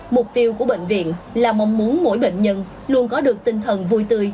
mục tiêu của bệnh viện là mong muốn mỗi bệnh nhân luôn có được tinh thần vui tươi